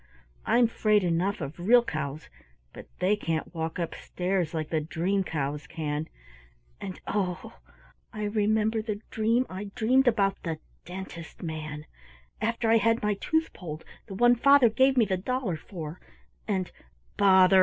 I'm 'fraid enough of real cows, but they can't walk up stairs like the dream cows can and, oh, I remember the dream I dreamed about the Dentist man, after I had my tooth pulled, the one father gave me the dollar for and " "Bother!"